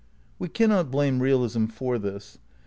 We cannot blame realism for this.